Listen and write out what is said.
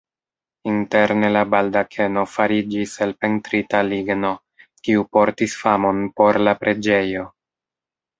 Interne la baldakeno fariĝis el pentrita ligno, kiu portis famon por la preĝejo.